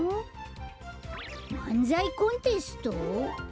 まんざいコンテスト？